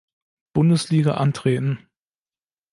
Bundesliga antreten.